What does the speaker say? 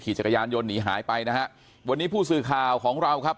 จักรยานยนต์หนีหายไปนะฮะวันนี้ผู้สื่อข่าวของเราครับ